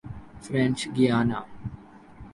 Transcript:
French Guiana